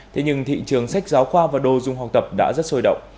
thế nhưng thị trường sách giáo khoa và đồ dùng học tập đã rất sôi động